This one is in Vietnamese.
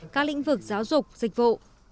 các lĩnh vực giáo dục dịch vụ